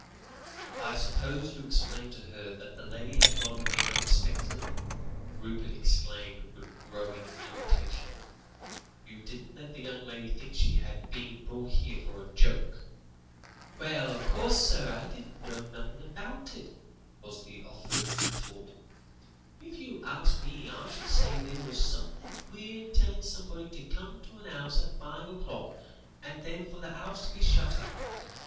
"I suppose you explained to her that the lady had gone away unexpectedly?" Rupert exclaimed with growing irritation; "you didn't let the young lady think she had been brought here for a joke?" "Well, o' course, sir, I didn't know nothin' about it," was the offended retort; "if you ask me, I should say there was somethin' queer in tellin' somebody to come to an 'ouse at five o'clock, and then for the 'ouse to be shut up.